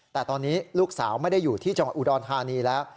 แต่ตอนนี้ลูกสาวไม่ได้อยู่ที่จังหวัดอุดรธานีแล้ว